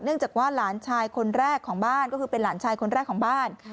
จากว่าหลานชายคนแรกของบ้านก็คือเป็นหลานชายคนแรกของบ้าน